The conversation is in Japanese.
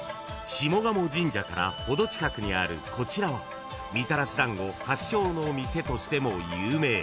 ［下鴨神社からほど近くにあるこちらはみたらし団子発祥の店としても有名］